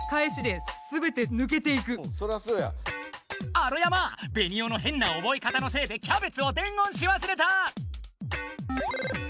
アロヤマベニオのへんなおぼえかたのせいでキャベツを伝言しわすれた！